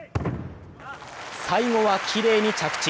最後はきれいに着地。